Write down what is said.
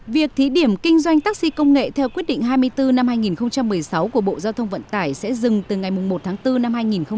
việc thí điểm kinh doanh taxi công nghệ theo quyết định hai mươi bốn năm hai nghìn một mươi sáu của bộ giao thông vận tải sẽ dừng từ ngày một tháng bốn năm hai nghìn hai mươi